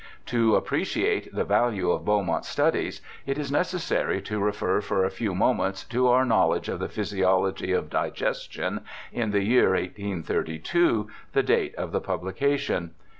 To appreciate the value of Beaumont's studies it is necessary to refer for a few moments to our knowledge of the physiology of digestion in the year 1832, the date of the publication.